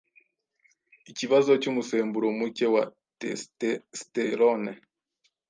ikibazo cy'umusemburo muke wa testesterone